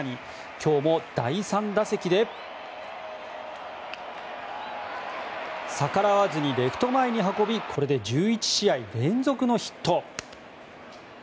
今日も第３打席で逆らわずにレフト前に運びこれで１１試合連続のヒット。